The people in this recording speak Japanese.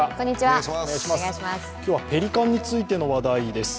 今日はペリカンについての話題です。